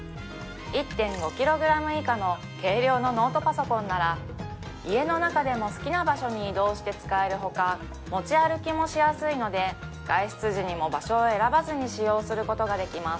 １．５ｋｇ以下の軽量のノートパソコンなら家の中でも好きな場所に移動して使えるほか持ち歩きもしやすいので外出時にも場所を選ばずに使用することができます